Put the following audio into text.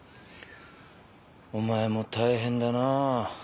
お前も大変だな。